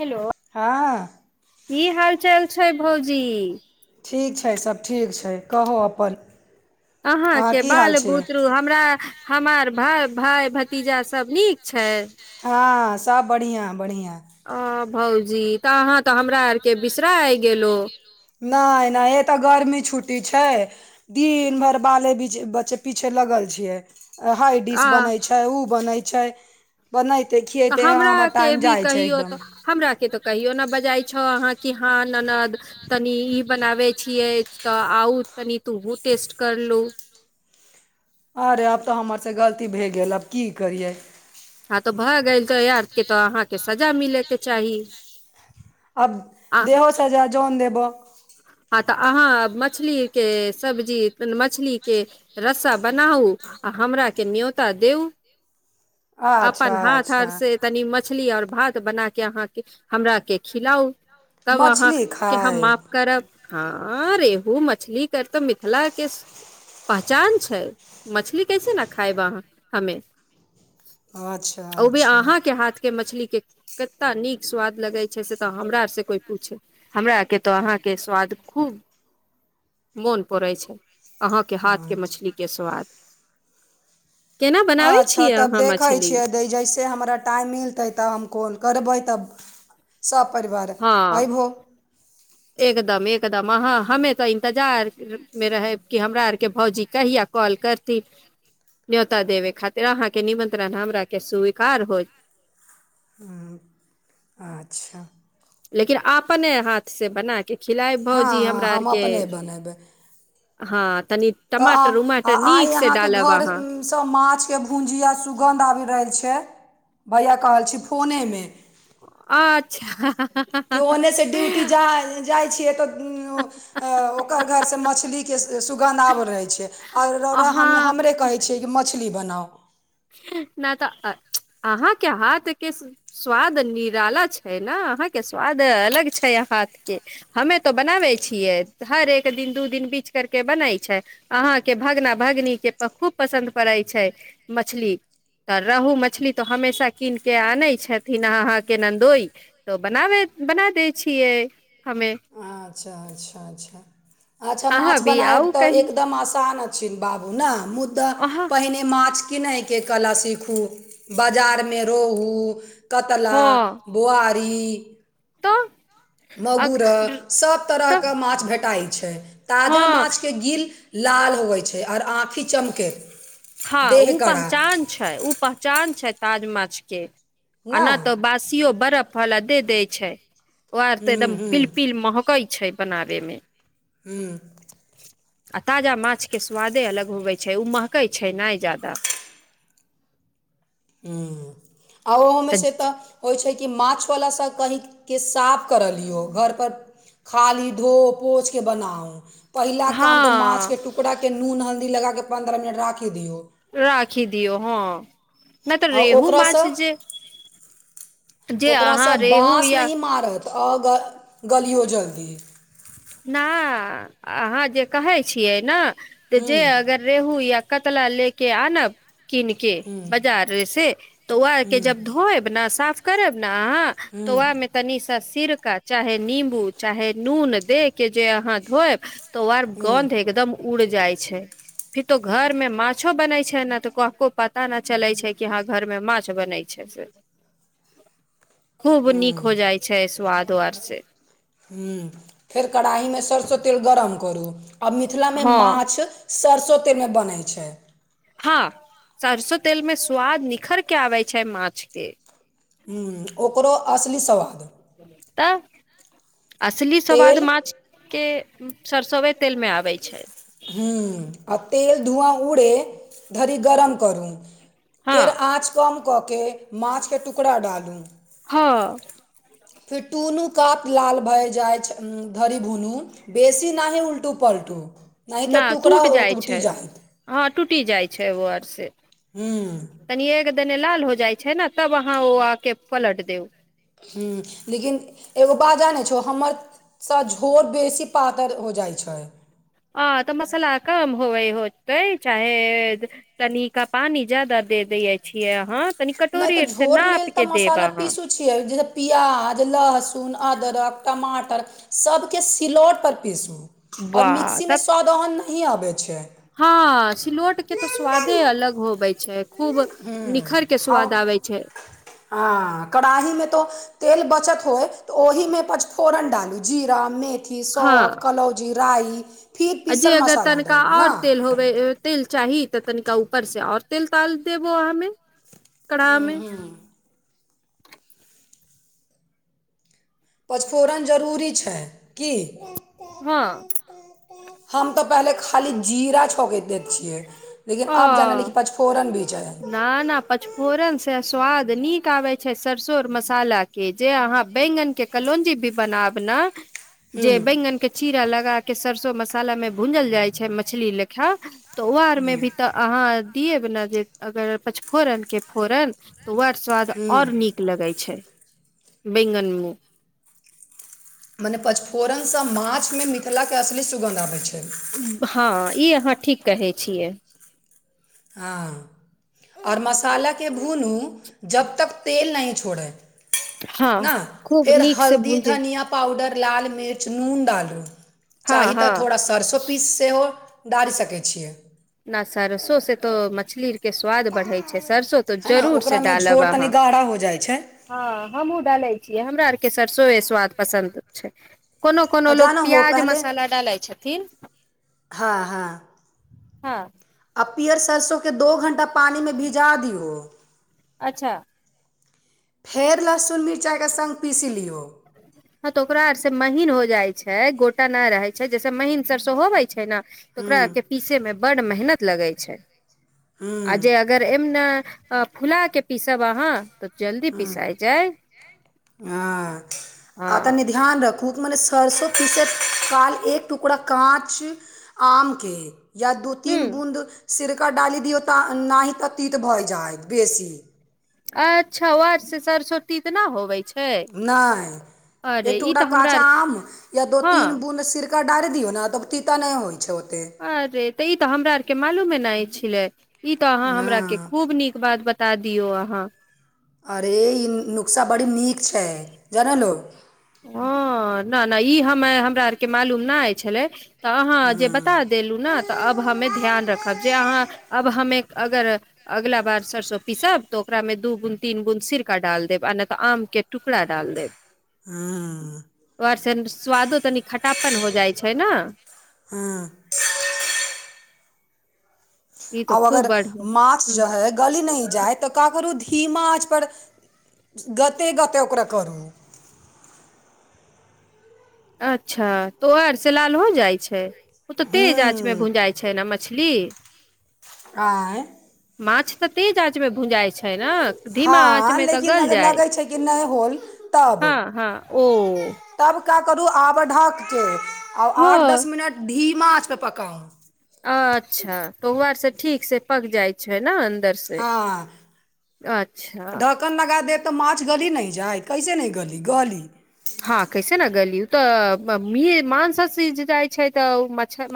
Hello हँ कि हालचाल छै भौजी ठीक छै सभ ठीक छै कहू अपन अहाँ के कि बाल हाल छै। बुतरू हमरा हमार भाय भतीजा सभ नीक छै। हँ सभ बढ़िआ बढ़िआ अ भौजी तऽ अहाँ तऽ हमरा आर के बिसराइ गेलो। नहि नहि एतऽ गर्मी छुट्टी छै दिन भर बाले बीचे बच्चे पीछे लगल छियै हइ आ डिश बनै छै ओ बनै छै बनैते तऽ खियबैत अ हमरा हमर के टाइम भी जाइ छै कहियो एकदम तऽ हमरा केँ तऽ कहियो नै बजाइ छौ अहाँ की हँ ननद तनी इ बनाबैत छियै तऽ आउ तनि तोहूँ टेस्ट करलू अरे आब तऽ हमरसँ गलती भए गेल आब की करियै हँ तऽ भऽ गेल तऽ आइबकी अहाँकेँ तऽ सजा मिलय केँ चाही आब आ देहो सजा जॉन देब हँ तऽ अहाँ मछली केँ सब्जी मछलीकेँ रस्सा बनाउ आ हमरा केँ न्योता देऊ अपन अच्छा हाथ अच्छा आर से तनी मछली और भात बना केँ अहाँकेँ हमरा केँ खिलाउ तब अहाँ मछली [inaudible] कऽ हम माफ खायब करब हँ रेहू मछली कऽ तऽ मिथिला केँ पहचान छै मछली कैसे न खायब अहाँ हमें अच्छा [inaudible] ओ भी अच्छा अहाँकेँ हाथ केँ मछली केँ कैता नीक स्वाद लगे छै से तऽ हमरा सँ कोई पूछ हमरा के तऽ अहाँकेँ स्वाद खूब [inaudible] मोन परै छै आहाँकेँ हाथ केँ अच्छा मछली के स्वाद [inaudible] केना बनाबै छी अहाँ मछली जै जैसे हमरा टाइम मिलतै तऽ हम कॉल करबै तब सब परिवार हँ अइभौ [inaudible] एकदम एकदम अहाँ हमे तऽ इन्तजारमे रहब कि हमरा आर केँ भौउजी कहिया कॉल कर ती [inaudible] न्योता देबे खातिर अहाँ केँ निमंत्रण हमरा केँ स्वीकार होयत हूं [inaudible] अच्छा लेकिन अपने हाथ से बना कऽ खिलायब हँ भौजी हँ हमरा आर हम केँ अपने बनेबै हँ तनी तऽ आ आइ अहाँकेँ घर अहाँ स माछ केँ भुजिया सुगन्ध आबि रहल छै भैया कहल छी फोने मे अच्छा [unintelligible] केँ अने से ड्यूटी जा जाइ छियै तऽ [unintelligible] अं ओकर घरसँ मछली केँ स सुगन्ध आब रहै छै आ रौरा हम अहाँ हमरे कहै छियै कि मछली बनाउ नै तऽ अ च [unintelligible] अहाँ केँ हाथ केँ स्वाद निराला छै न अहाँ केँ स्वाद अलग छै हाथ केँ हमे तो बनाबै छियै हर एक दिन दू दिन बीच करके बनै छै अहाँ केँ भगना भगनीके खूब पसन्द पड़ैत छै मछली तऽ रहू मछली तऽ हमेशा कीन क आनै छथिन अहाँकेँ नन्दोइ तो बनाबे बना दै छियै हमे अच्छा अच्छ अच्छ अच्छा अहाँ माछ भी बनायब आउ तऽ कही एकदम आसान [unintelligible] बाबू न मुद्दा अहाँ पहिने माछके किनए कऽ कला सीखू बजार में रोहू कतला हँ बुआरी तऽ मगुरह सभ तऽ तरहके माछ भेटाइत छै ताजा हँ माछके गिल लाल होै छै और आँखि चमके हँ देह ऊ कड़ा पहचान छै, ऊ पहचान छै ताज माछके अ ना न तऽ बासियो बरफ वला दे दै छै ओ आर ते हम्म एकदम पिल हम्म पिल महकई छै बनाबे मे हूँ आ ताजा माछके स्वादे अलग होबै छै, उ महकै छै नहि जादा [inaudible] हूं आ ओहोमे से तऽ होइ छै कि माछवला सभ कही के साफ करय लियौ घर पर खाली धो पोछके बनाउ। पहिला हँ काम तऽ माछके टु करा नून, हल्दी लगाके पंन्द्रह मिनट राखि दियौ राखि दियौ हँ, नहि तऽ आ रेहू ओकरासँ माछ जे जे ओकरास अहाँ रेहू बास या नहि मारत अ ग गलियौ जल्दी न अहाँ जे कहै छियै ने तऽ हुँ जे अगर रेहू या कतला लेके आनब किन के हुँ बजारे से तऽ वेहे के हुँ जब धोएब ने, साफ करब न अहाँ हुँ तो वामे तनी सा सिरका चाहे नींबू चाहे नून दे के जे अहाँ धोएब तऽ वार गन्ध हुँ एकदम उड़ जाइ छै फिर तो घर में माछो बनै छै ने तो कको पता न चलै छै कि हां घर में माछ बनै छै से खूब नीक हो हुँ जाइ छै स्वाद आर सेे हूं फेर कड़ाहीमे सरसो तेल गरम करू। आब मिथिलामे हँ माछ सरसो तेलमे बनै छै हा, सरसो तेल में स्वाद निखर के आबे छै माछ के हूं, ओकरो असली सवाद तऽ असली सवाद तेल माछ के सरसोए तेलमे आबै छै हूं, आ तेल धुआ उड़े धरी गरम करू हँ फेर आँच कम कऽ केऽ माछके टुकड़ा डालू हँ फेर टुनू कात लाल भए जाइछ ऊं धड़ि भुनु बेसी नाहि उलटू पलटू न टूट जाइ छै। हँ, टूटि जाइ छै ओ आर से हूँ तनीएक तने लाल हो जाइ छै ने, तब अहाँ ओ आके पलट देब हूं लेकिन एगो बाज जानै छि हमर स झोर बेसी पातर हो जाइ छै आ तऽ मसल्ला कम होवे होतै चाहे तनिका पानी ज्यादा दऽ दै छियै अहाँ तनी नहि तऽ कटोरीये सँ झोर लेल नापि तऽ कऽ देब मसाला आहाँ पीसू छियै जे प्याज लहसुन अदरक टमाटर सभके सिलौट पर पीसू आओर वाह त मिक्सीमे स्वाद ओहन नहि आबै छै हँ सिलौटके तऽ स्वादे अलग होबे छै खूब निखरि कऽ आओर स्वाद आबै छै हँ, कड़ाहिमे तोऽ तेल बचत होए तऽ ओहिमे पच फोरन डालू जीरा मेथी हँ सौंफ कलौजी राइ फिर आ जे पीसल अगर मसाला तनिका डालू ने आओर तेल होबै तेल चाही तऽ तनिका ऊपरसँ आओर तेल डाल देबौ अहिमे कड़ाहमे। पचफोरन जरूरी छै कि हँ। हम तऽ पहिले खाली जीरा छौक दैत छियै, लेकिन आब जानलहुँ जे पाँच फोरम भी छै न न पाँच फोरनसँ स्वाद नीक आबै छै सरसो आ मसालाके जे अहाँ बैंगन के कलौंजी भी बनाब ने जे ह्म बैंगन के चीरा लगा कऽ सरसो मसालामे भूजल जाइत छै मछली लेऽ खा तऽ ओ आरमे भी तऽ अहाँ देब ने जँ पाँच फोरनक फोरन तऽ ओ स्वाद आओर ह्म नीक लगै छै बैंगन मे मने पचफोरनसँ माछमे मिथिलाक असली सुगन्ध आबैत छै। हँ ई अहाँ ठीक कहै छियै। हँ आओर मसाला के भुनू जाबत तक तेल नहि छोड़ै हँ नह खूब फेर नीक से हल्दी भूंजे धनिया पाउडर लाल मिर्च नून डालू हँ चाही तँ हँ थोड़ा सरसो पीस सेहो डालि सकैत छियै। नहि सरसोसँ तऽ मछली के स्वाद बढ़ै छै सरसो तऽ है ने जरूरसँ ओकरामे डालब झोर तनि अहा गाढ़ा हो जाइ छै आ ह हमहुँ डालै छियै हमरा आरके सरसोए स्वाद पसन्द छै कोनो कोनो लोक जानो हो पिआज़ पहले मसाला डालैत छथि हँ हँ। हँ। आ पीयर सरसो के दू घण्टा पानि मे भिजा दिऔ अच्छा। फेर लहसुन मिरचाइके संघ पीस लियौ [inaudible] हँ तऽ ओकरा आरसँ महीन हो जाइ छै गोटा नहि रहै छै जइसे महीन सरसो होबै छै तऽ ओकरा ह्म्म के पीसए मे बड़ मेहनत लगै छै आ जँ ह्म्म अगर अयमे फुला कऽ पीसब अहा जल्दी पिसाइ जाय ह खूब मने सरसो पीसी काल एक टुकड़ा कांच आम के या दू ह तीन बूँद सिरका डाली दिऔ तऽ नहि तीत भऽ जायत बेसी अच्छा, [unintelligible] होवे छै नहि एक अरे ई टुका तऽ हमरा काँचा आर आम या दू हँ तीन बुद सि डाल दियौ ने तब तीता नहि होई छै ओते अरे ते ई तऽ हमरा आर के मालूमे नहि छलै ई तऽ अहाँ हमरा आर के हँ खूब नीक बात बता दियौ अहा अरे ई नुक्शा बड़ी नीक छै जानलो। हँ नहि नहि ई हमरा आर के मालूम नहि आय छलै। त अहाँ जे बता हँ देलहु ने तऽ आब हमे ध्यान रखब जे अहाँ आब हमे अगर। अगिला बार सरिसो पीसब तऽ ओकरा मे दू गुण तीन गुण सिरक डाल देब आ नहि तऽ आम के टुकड़ा डाल देब हूँ। त से स्वादो तनि खटापन हो जाइ छै ने हू ई तो आब खूब अगर बढ़िया मार्क्स ह जो हय गली नहि जाइ तऽ का करू धीमा आँचपर गते गते ओकरा करू अच्छा तोआर से लाल हो जाइ छै उ तऽ तेज आँचमे हूँ भुँजाइ छै ने मछली आँय माछ तऽ तेज आँचमे भुँजाइत छै ने धीमा आँच हँ मे तऽ लेकिन गल अगर जाय लगै छै कि नहि होल तब हँ हँ ओ तब का करू आबर ढक के आओ आठ दस हँ मिनट धीमाँ आँचपे पकाउ अच्छा तऽ ओ आर से ठीक से पक जाय छै नऽ अन्दर से अच्छा कन लगा देब तऽ माछ गली नहि जाइ कैसे नहि गली गली हँ कैसे न गली उ तऽ मी मांस सीझ जाइ छै तऽ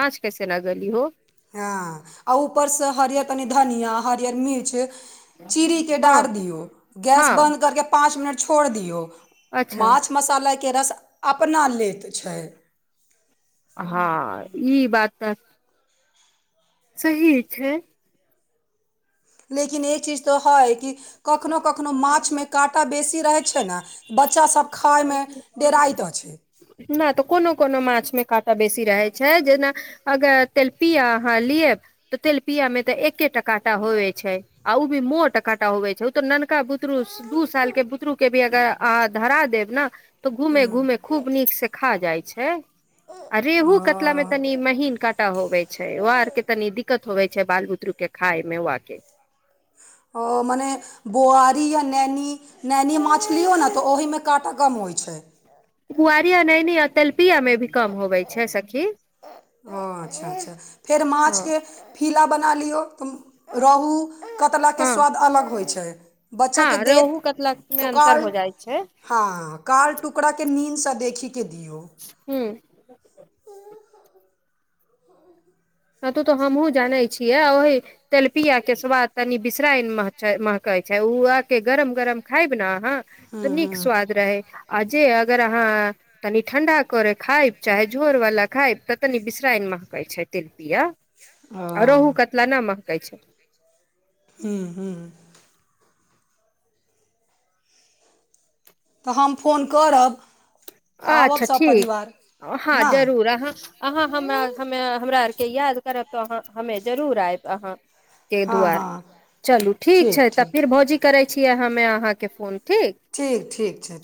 माछ कैसे न गली हो हँ आ ऊपरसँ हरियर तनि धनियाँ हरियर मिर्च चीरीे के हँ डार दियौ गैस हँ बन्द करके पाँच मिनट छोड़ दियौ अच्छा माछ मसालाके रस अपना लेैत छै हँ ई बात तऽ सही छै लेकिन ई चीज तऽ हय की कखनो कखनो माछमे काँटा बेसी रहै छै ने बच्चासभ खायमे डेराइत अछि नहि तऽ कोनो कोनो माछ मे काँटा बेसी रहैत छै जेना अगर तेलपिय अहाँ लेब तऽ तेलपिया मे तऽ एकेटा काँटा होेवै छै आ उ भी मोट काँटा होेवै छै उ तऽ ननका बुतरुस दू साल के बुतरु के भी अगर अहाँ धरा देब ने तऽ घूमे घुमे खूब नीक से खा जाइ छै आ रेहु कतला मे तनी महीन काँटा होवै छै वोआर के तनी दिक्कत होवै छै बाल बुतरु के खाय मे वा के ओ मने बुआरी या नैनी नैनी माछ लियौ ने तऽ ओहिमे काँटा कम होइ छै बुआरिया नैनी आ तेलपियामे भी कम होबै छै सखी ओ अच्छा अच्छा फेर माछ हँ के फिला बना लियो रोहु कतला के हँ स्वाद अलग होइ छै बच्चा के हँ देत रेहू कतला मे तो अन्तर कार हो जाइ छै हाँ काल टुकड़ाके नींदसँ देखिके दियौ हूंम्म कतौ तऽ हमहुँ जानै छियै आ ओही तेलपिया के स्वाद तनी बिशराइन महकै छै उ आके गरम गरम खायब ने अहाँ हूँ तऽ नीक हूँ स्वाद रहै आ जे अगर अहाँ तनी ठंडा करे खायब चाहे झोर वाला खायब तऽ तनी विशराइन महकै छै तेलपिया ओ आ रोहु कतला न महकै छै हूंम्म हूंम्म तऽ हम फोन करब तऽ आबब अच्छा सभ ठीक परिवार हँ ना जरूर आहाँ अहाँ हमरा हम्मे हमरा आर के याद करब तऽ हम्मे जरूर आयब अहाँ के हँ दुआर हँ चलू ठीक छै तऽ फिर भौजी करै छिये हम्मे अहाँके फोन ठीक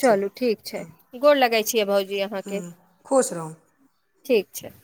चलू ठीक छै। गोर लगै छियै भाउजी अहाँकेँ खुश रहू ठीक छै